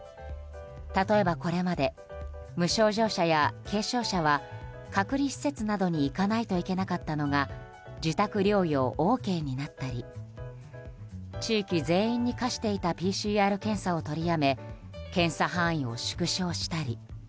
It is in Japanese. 例えば、これまで無症状者や軽症者は隔離施設などに行かないといけなかったのが自宅療養ＯＫになったり地域全員に課していたＰＣＲ検査をとりやめ検査範囲を縮小したり。